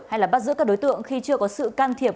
hay là bắt giữ các đối tượng khi chưa có sự can thiệp